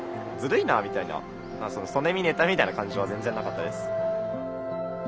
「ずるいな」みたいなそねみ妬みみたいな感じは全然なかったです。